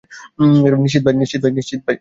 নিশ্চিত, বাই।